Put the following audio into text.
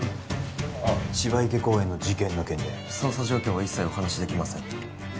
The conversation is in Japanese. あっ芝池公園の事件の件で捜査状況は一切お話しできません